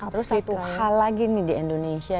terus satu hal lagi nih di indonesia